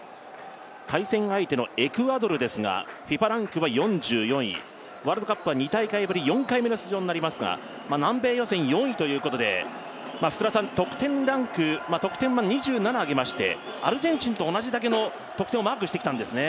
対戦相手のエクアドルですがＦＩＦＡランクは４４位、ワールドカップは２大会ぶり４回目の出場となります南米予選４位ということで得点は２７を挙げましてアルゼンチンと同じだけの得点をマークしてきたんですね。